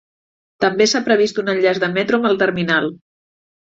També s'ha previst un enllaç de metro amb el terminal.